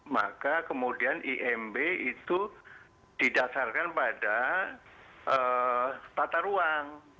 maka kemudian imb itu didasarkan pada tata ruang